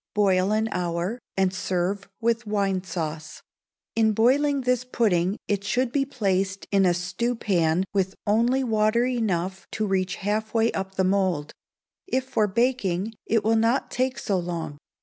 Boil an hour, and serve with wine sauce. In boiling this pudding it should be placed in a stewpan with only water enough, to reach half way up the mould. If for baking, it will not take so long.